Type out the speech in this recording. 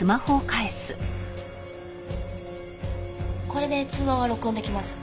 これで通話は録音できます。